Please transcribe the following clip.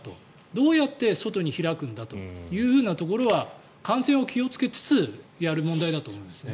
どうやって外に開くんだというところは感染を気をつけつつやる問題だと思いますね。